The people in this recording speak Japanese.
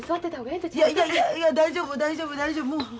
いや大丈夫大丈夫大丈夫。